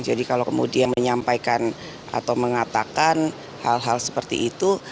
jadi kalau kemudian menyampaikan atau mengatakan hal hal seperti itu